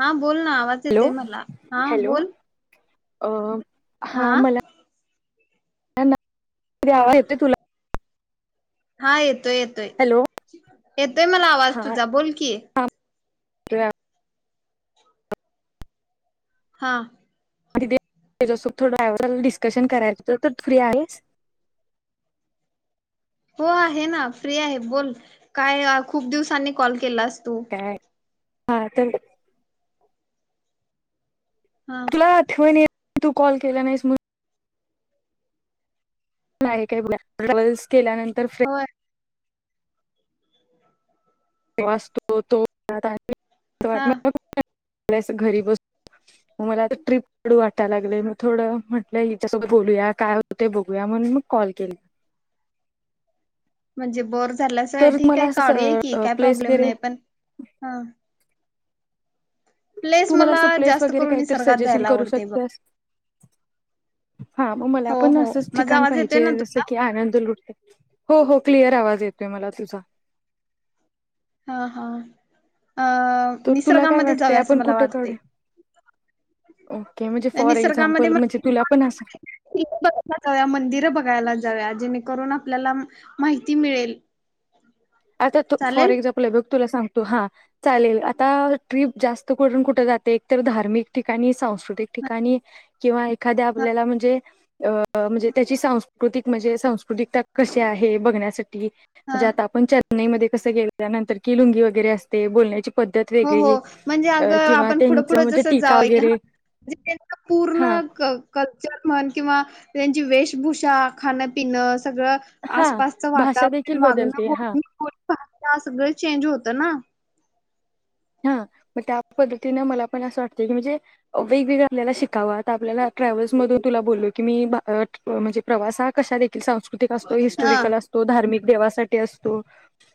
हा बोल ना आवाज हॅलो येतंय मला, हा हॅलो बोल. अ. हा आ... मला [unintelligible] आवाज येतोय तुला? हां येत तोय येतोय हॅलो येतोय मला हा आवाज तुझा बोल की. [unintelligible] हां. [unintelligible] डिस्कशन करायचं होतं तर फ्री आहेस? हो आहे ना फ्री आहे बोल काय अ खूप दिवसांनी कॉल केलास. तू काय? हा तर हा तुला आठवण येत तू कॉल केला नाहीस म्हणून नाही [unintelligible] केल्यानंतर [unintelligible] होय वाचतो तो [unintelligible] हा [unintelligible] मला असं घरी बसून मला आता ट्रीप काढू वाटाया लागलंय मग, थोडं म्हटलं हिच्यासोबत बोलूया काय होतंय बघूया म्हणून मग कॉल केला. म्हंजे बोर धरलासा होय तर ठीक मला आहे काढूया की, असं काय प्लेस प्रॉब्लेम वगैरे नाही पण हां. प्लेस तू मला असं प्लेस जास्त वगैरे करून काहीतरी निसर्गात सजेशन जायला करू आवडतंय बघ. शकतेस हा मग मला हो पण हो असंच माझा ठिकाण आवाज येतोय पाहिजे ना जसं तुला की आनंद लुटता ये हो हो क्लिअर आवाज येतोय मला तुझा. हां हां. अ तर तुला काय निसर्गामध्ये वाटतंय जाऊया असं आपण मला कुठे वाटतंय. काढूया ओके म्हणजे फॉर निसर्गामध्ये एक्झाम्पल म्हणजे तुला पण असं [unintelligible] बघायला जाऊया, मंदिरं बघायला जाऊया जेणे करून आपल्याला माहिती मिळेल. आता तू फॉर चालेल एक्झाम्पल य बघ. तु सांगतो हा चालेल आता ट्रिप जास्त करून कुठं जाते एक तर धार्मिक ठिकाणी स्थ सांस्कृतिक ठिकाणी किंवा एखाद्या ह आपल्याला म्हंजे अ म्हंजे अ अ त्याची सांस्कृतिक म्हंजे सांस्कृतिककता कशी आहे बघण्यासाठी ह म्हंजे आता आपण चर्च नई म ते कसं गे नंतर की लुंगी वगैरे असते बोलण्याची पद्धत हो हो वेगळी म्हणजे अग अ किंवा आपण पुढं त्यांचं पुढं म्हणजे जसं टीका जाऊल वगैरे म्हंजे त्यां पूर्ण हा कल्चर म्हण किंवा त्यांची वेशभूषा खाणं पिण सगळ हा आसपासचं भाषा देखील वातावरण वागणं बदलते हा बोलणं भाषा सगळं चेंज होतं ना हां म त्या पद्धतीनें मला पण असं वाटतंय की म्हंजे वेगवेगळ आपल्याला शिकावं आता, आपल्याला ट्रॅव्हल्स मधून तुला बोललोय की मी भा अ म्हंजे प्रवास हा कशाने त्यो सांस्कृतिक असतोय, हा हिस्टॉरिकल असतों धार्मिक देवासाठी ते असतो.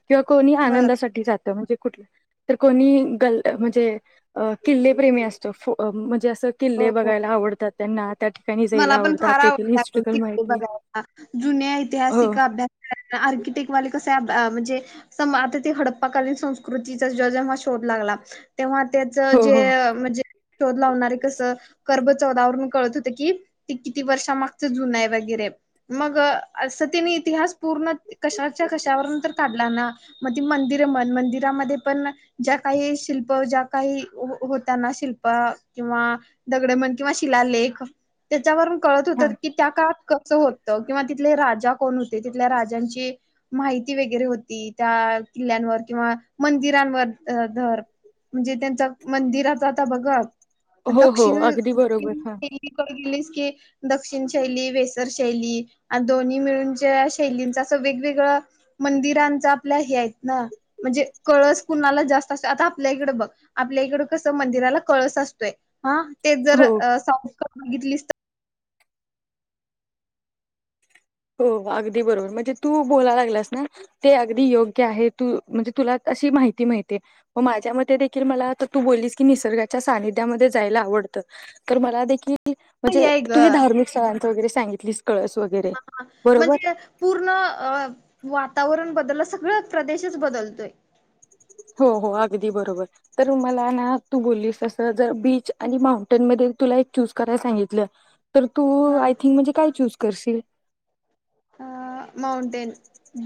किंवा कोणी बर आनंदासाठी जातं. म्हणजे कुठ कोणी ग म्हणजे किल् प्रेमी असतो, म्हणजे किल्ले बघायला आवडतात त्यांना त्या ठिकाणी मला जायला पण आवडतात फार तेथील आवडत हिस्ट्रिकल माहिती बघाय जुन्या हो ऐतिहासिक अभ्यास कराय आर्किटेक्ट वाले कस म्हणजे आता ते हडप्पाकालीन संस्कृतीचा ज जेव्हा शोध लागला. तेव्हा त्याच हो हो जे म्हणजे शोध लावणारे कसं. कर्ब चौदावरून कळत होते. कि ते किती वर्षामागच जुन आहे वगैरे मग असं तिने इतिहास पूर्ण कशाच्या कशावरून तर काढला ना मग ती मंदिर म्हण मंदिरामध्ये पण ज्या काही शिल्प ज्या काही होतना शिल्प किंवा दगडे म्हण किंवा शिलालेख त्याच्यावर कळत हा होत की त्या काळात होत. किंवा तिथले राजा कोण होते तिथल्या राजांची माहिती वगैरे होती त्या किल्ल्यांवर किंवा मंदिरांवर धर म्हणजे त्यांच मंदिराच आता बघा हो हो दक्षिण अगदी बरोबर हा दिल्लीकडे गेले. कि दक्षिण शैली वेसर शैली दोन्ही मिळूनच्या शैलींचा अस वेगवेगळ मंदिरांचा आपल्या हे आहेत ना म्हणजे कळस कुणाला जास्त असतो आता आपल्या इकड बघ आपल्या इकड कस मंदिराला कळस असतो. य हा. ते जर हो घितलीस हो, अगदी बरोबर म्हणजे तू बोलाय लागलास ना ते अगदी योग्य आहे. तू म्हणजे तुला अशी माहिती माहिती माझ्या म देखील मला तू बोललीस की निसर्गाच्या सानिध्यामध्ये जायला आवडतं तर मला देखील हे म्हजे आहे ग तुझ्या धार्मिक स्थळ वगैरे सांगितली कळस वगैरे बरोबर म्हणजे पूर्ण वातावरण बल- सगळं प्रदेशच बदलतोय हो, हो, अगदी बरोबर तर मला ना तू बोललीस तस जर बीच आणि माउंटेन म तुला एक चूज करायला सांगितलं तर तू हा आय थिंक म्हणजे काय चूज करशील अ माउंटेन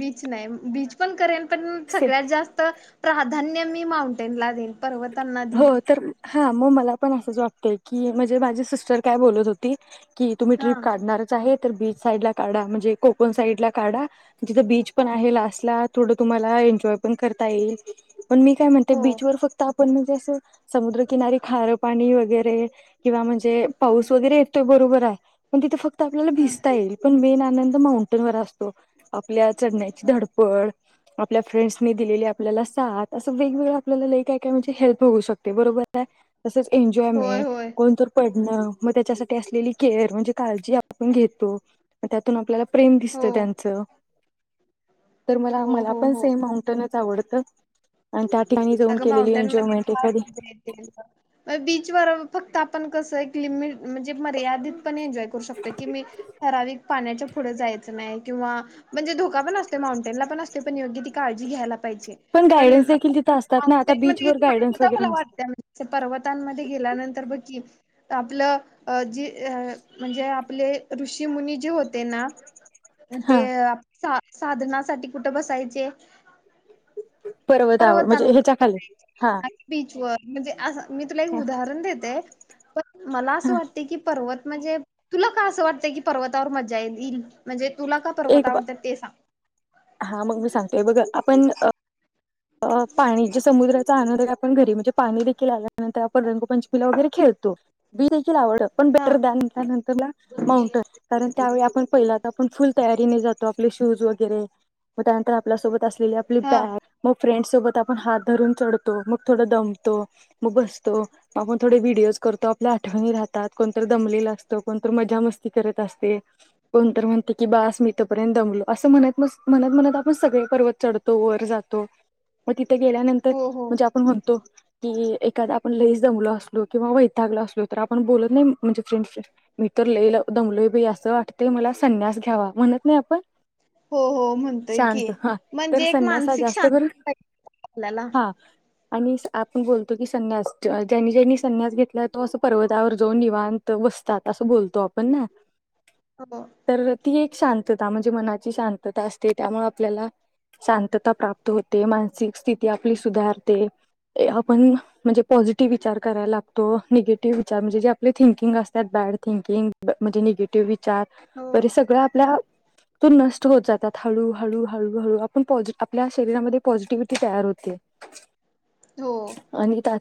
बीच नाही, बीच पण करेनं. पण सगळ्यात जास्त प्राधान्य मी माउंटेन ला देईन. पर्वतांना दिली. हो तर हा मग मला पण असंच वाटतंय की म्हणजे माझी सिस्टर काय बोलत होती. की, तुम्ही हा ट्रीप काढणारच आहे. तर बीच साईड ला काढा म्हणजे कोकण साईड ला काढा, जिथं बीच पण आहे, लास्ट ला थोडं तुम्हाला एन्जॉय पण करता येईल. पण मी काय म्हणते हो बीचवर फक्त- पण म्हणजे असं समुद्रकिनारी खारं पाणी वगैरे ते [inaudible] ते पाऊस वगैरे बरोबर आहे, पण तिथे फक्त- आपल्याला हा भिजता येईल, पण बेन आनंद [unintelligible] माऊंडन असं आपल्या चढण्याची धडपड, आपल्या फ्रेंडस दिलेली आपल्याला साथ, असं वेगवेगळ आपल्या लाई क- ह हेल्प होउ शकतं. ते बरोबर आहे. तसच होय एन्जॉयमेंट, होय कोणत पडणं मग त्याच्यासाठी असलेली केअर म्हणजे काळजी आपण घेतो त्यातून आपल्या प्रेम दिसत हो त्यांचं, तर मला, हो मला हो पण हो सेम माउंटन आवडतं. आणि त्या ठिकाणी जाऊन केलेली माऊंटन एन्जॉयमेंट एखादी वर [inaudible] आपण कसं, एक लिमिट म्हणजे मर्यादित पण, एन्जॉय करू शकतो की, मी ठराविक पाण्याच्या पुढे जायचं नाही. किंवा म्हणजे धोका पण असत. माऊंटन ला पण असते पण योग्य ती काळजी घ्यायला. पाहिजे, पण गायडन्स देखील तिथं असतात ना आता बीचवर गायडन्स सांतता वगैरे मला वाटत नसतात म्ह पर्वतांमध्ये गेल्यानंतर बघ की [inaudible] आपलं जी म्हणजे आपले ऋषी मुनी जे होते ना ते हा आप साधनासाठीठी कुठे बसायचे. ह पर्वतनवर बीच व म्हणजे असं मी तुला एक हा उदाहरण देते. हो मला असं हा वाटते की पर्वत म्हणजे तुला काय असं वाटतंय की पर्वतावर मजा येईल म्हणजे तुला का पर्वत एक आवडतात ते सांग. हा मग मी सांगतोय बघ आपण अ पाणी जे समुद्रात आपण घरी म्हणजे पाणी देखील आल्यानंतर आपण रंगपंचमीला वगैरे खेळतो बी [unintelligible] कारण हा काय [unintelligible] पहिल आपण फुल तयारी नी जातो आपले शूज वगैरे आपल्या सोबत असलेली आपली हा बॅग फ्रेंड्सोबत आपण हात धरून चढतो. मग थोडं दमतो मग बसतो ग आपण थोडे व्हिडिओज करतो. आपल्या आठवणी राहतात, कोणत दमलेलं असतं. कोणत मजा मस्ती करत असते [inaudible] कोणत म्हणते की बस मी इथपर्यंत दमलो असं म्हणत म म्हणत म्हणत आपण सगळे पर्वत चढतो वर जातो‌. तो मग तिथे गेल्यानंतर हो हो म्हणजे आपण म्हणतो की एखाद आपण लईच दमलो असलो, किंवा वैतागल असलो, तर आपण बोलत नाही महणजे फ्रेंड मी तर लई दमलोय बई असं वाटते मला संन्यास घ्यावा म्हणत नाही आपण. हो हो म्हणतोय की शांत हा तर म्हणजे एक संन्यास हा मानसिक जास्त करून शक्ती ां आपल्याला हा आणि आपण बोलतो की संन्यास ज्यांनी ज्यांनी संन्यास घेतला तो असं पर्वतावर जाऊन निवांत बसतात असं बोलतो आपण ना हो तर ती एक शांतता म्हणजे मनाची शांतता असते. त्यामुळे आपल्याला शांतता प्राप्त, होते मानसिक स्थिती आपली सुधारते आपण म्हणजे पॉझिटिव्ह विचार करायला लागतो निगेटिव्ह विचार म्हणजे जे आपले थिंकिंग असत्यात बॅड थिंकिंग म्हणजे निगेटिव्ह. हो [unintelligible] सगळ आपल्या तो नष्ट होत जातात हळू हळू हळू हळू आपण प आपल्या शरीरामध्ये पॉझिटिव्हटी तयार होते. हो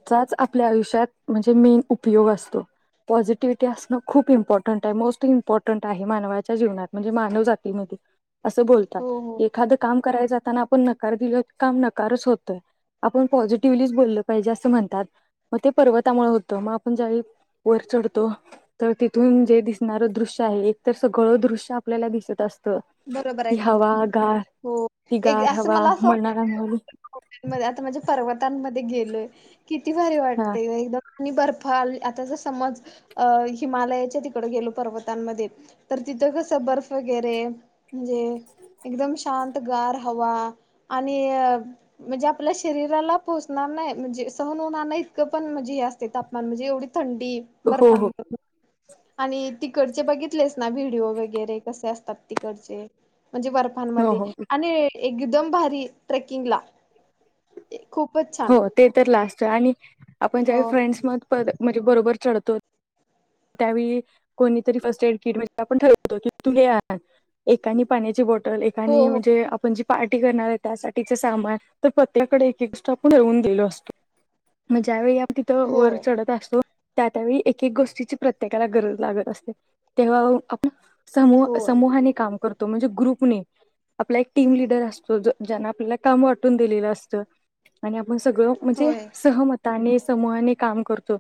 च आपल्या आयुष्यात म्हणजे मेन उपयोग असतो पॉझिटिव्हटी असणं खूप इम्पॉर्टंट आहे मोस्ट इं्पॉर्टंट मा नवाच्जीव म्हण मा जी अस ब हो हो एखा काम करा जात पुन्हा काम नकारच होत आपण पॉझिटिव्हली बोललं पाहिजे अस म्हणतात म ते पर्वतामुळे होत मग आपण ज वर च तर तिथून जे दिसणार दृश्य आहे एक तर सगळं दृश्य आपल्याला दिसत असत बरोबर ती आहे तुझ. हवा गार हो ती एक गार हवा [unintelligible] मनाला मिळाली आता म्हणजे पर्वतांमध्ये गेलो [unintelligible] किती भारी हा वाटते एकदम आणि बर्फाल आताच समज अ हिमालयाच्या तिकड गेलो पर्वतांमध्ये तर तिथं कसं बर्फ वगैरे म्हणजे एकदम शांतगार हवा आणि म्हणजे आपल्या शरीराला पोहोचणार नाही म्हणजे सहन होणार नाही इतकं पण म्हणजे हे असते तापमान म्हणजे एवढे थंडी बर्फ हो हो [unintelligible] आणि तिकडचे बघितलेस ना व्हिडिओ वगैरे कसे असतात तिकडचे म्हणजे हो बर्फांमध्ये हो. आणि एकदम भारी ट्रेकिंग ला हो ते तर लास्ट आणि आपण ज्या ही हो फ्रेंड्स मध्ये म्हणजे बरोबर चढतो. त्यावेळी कोणीतरी फर्स्ट एड किट म्हणजे आपण ठरवतो की तु हे आण एकानी पाण्याची बॉट हो एकानी म्हणजे आपण ज पार्टी करणार आहे त्यासाठीचे सामान तर प्रत्येकाकडे एकेक स्टॉक ठेवून दिलो असतो मग ज्यावेळी आप तिथं हो हो वर चढत असतो त्या त्या वेळी एक एक गोष्टीची प्रत्येकाला गरज लागत असते तेव्हा आपण समूह होय समूहाने काम करतो. म्हणजे ग्रुप ने आपला एक टीम लिडर असतो ज्याने आपल्याला काम वाटून दिलेलं असत आणि मग सगळं म्हणजे होय सहमत आणि समूहाने काम करतो.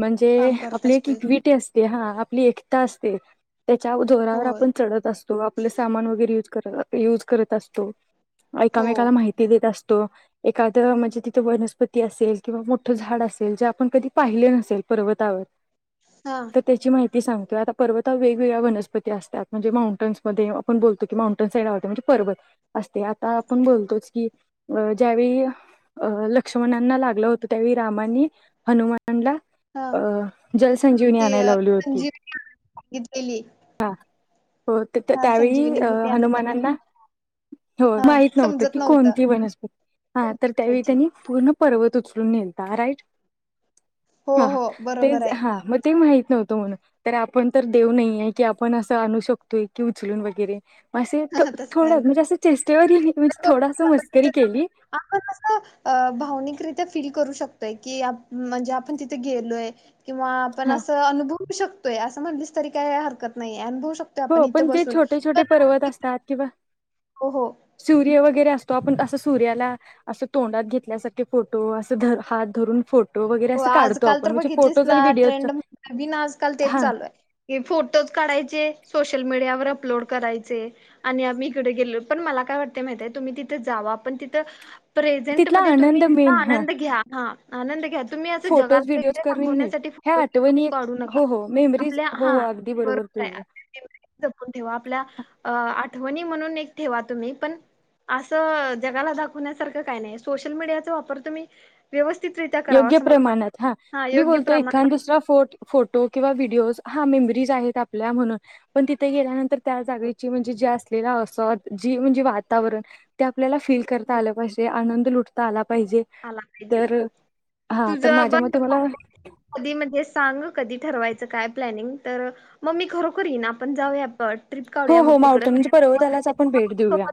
म्हणजे काम करत आपले असतोय कितवी हा आपली एकता असते. त्याच्या जोरावर होय आपण चढत असतो आपलं सामान वगैरे युज यूज करत असतो. हो एकामेकाला माहिती देत असतो. एखाद म्हणजे तिथ वनस्पती असेल किंवा मोठ झाड असेल जे आपण कधी पाहिले नसेल पर्वतावर हा तर त्याची माहिती सांगतोय आता पर्वतावर वेगवेगळ्या वनस्पती असतात म्हणजे माउंटनस मध्ये आपण बोलतो की माउंटन साईड म्हणजे पर्वत असते आता आपण बोलतोच की ज्यावेळी लक्ष्मणना ना लागल होतं त्यावेळी रामांनी हनुमान मानला हा अ ज ज्यांनी आणया लावली होती. गीटलेली. हा. हो त-त त्यावेळी संजीवनी बुटी आणायला सांग- हनुमानांना हो हा माहित नव्हत समजत की नव्हतं कोणती वनस्पती, हा कोणती तर त्यावेळी आणायची. त्यांनी पूर्ण पर्वत उचलून नेलता, राईट? हो हा हो बरोबर तेच आहे हा मग ते माहिती नव्हत म्हण तर आपण तर देव नाहीये. की आपण असं आणू शकतोय की उचलून वगैरे असं इतकं तस थोड काय नाही म्हणजे असं चेष्टेवारी [unintelligible] थोडस तिथे मस्करी जाऊन केली. आपण असं तय की आप म्हणजे आपण तिथे गेलोय. किंवा आपण हा असं अनुभवू शक तय असं म्हटलीस तरी काय हरकत नाहीय. अनभु हो पण जे छोटे छोटे पर्वत अस तात किंवा हो हो. सूर्य व हेरे असतो आपण ते असं सूर्याला अस तोंडात घेतल्यासारखे फोटो अस धर हात धरून फो हो आजकाल तर बघितलीस ना व्हिडिओ ट्रेंड नवीन आजकाल तेच हा चालू आहे हे फोटोज काढायचे. सोशल मीडियावर अपलोड करायचे आणि आम्ही इकडे गेलो, पण मला काय वाटत माहितय तुम्ही तिथं जावा पण तिथं प्रेझेंट तिथला मध्ये तुम्ही आनंद तिथं मेन हा आनंद घ्या. हा आनंद घ्या. तुम्ही असं फोटोज जगाला व्हिडिओज वगैरे करणे नाही दाखवण्यासाठी ह्या फोटो आठवणी एक काढू नका हो हो मेमरीज आपल्या हो हा हो अगदी बरोबर तुझं आहे जपून ठेवा आपल्या अं आ वणी म्हणून एक ठेवा तुमी पण, आसं जगाला दाखवण्यासारखं काय नाही. सोशल मिडीयाचा वापर तुम्ही व्यवस स्तित रित्या करावा. योग्य मला प्रमाणात वाटते. हा, मी योग्य बोलतो प्रमाणात एकंदुसरा फोट फोटो किंवा व्हिडिओ रोज हा मेमोरिज आहेत आपल्या म्हणून, पण तिथे गेल्यानंतर त्या हो, जागेची म्हणजे जे असलेला असत जी म्हणजे वातावरण, त्या पल्याला फील करता हो, आलं पाहिजे, आनं लुटता आला पाहिजे आला पाहिजे. तर हा तर तुझं बघ माझ्या मते मला [inaudible] कधी म्हणजे सांग कधी ठरवाय च काय प्लनिंग तर, म मी खरोखर येईन आपण जाऊया ट्रिप हो काढुया मग हो तिकडं मावटं म्हणजे पर्वतालाच आपण भेट [inaudible] देऊया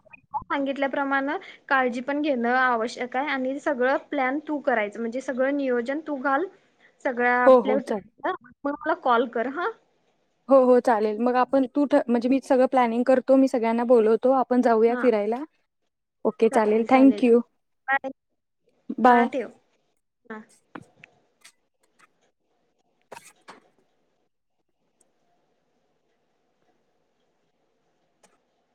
सांगितल्या प्रमाणं काळजी पण घेणं आवश्यक आहे आणि सगळं प्लॅन तू करायच, म्हणजे सगळं नियोजन तू घाल. सगळ्या हो आपल्या हो चालेल [unintelligible] म मला कॉल कर ह हो हो चालेल मग आपण तू ठ म्हणजे मी सगळ प्लॅनिंग कर तू मी सगळ्यांना बोलव तो आपण जाऊया हा फिरायला. ओके चालेल थँक यू. Bye bye. हा ठेव हा